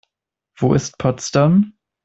Wo ist Potsdam?